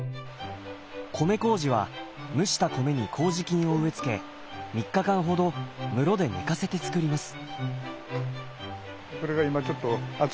米こうじは蒸した米に麹菌を植え付け３日間ほど室で寝かせて造ります。